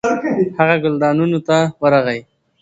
هغه ګلدانونو ته ورغی.